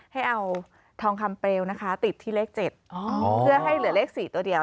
ให้เอาทองคำเปลวนะคะติดที่เลข๗เพื่อให้เหลือเลข๔ตัวเดียว